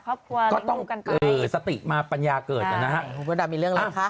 ครอบครัวก็ต้องเออสติมาปัญญาเกิดนะฮะผมก็ได้มีเรื่องอะไรค่ะ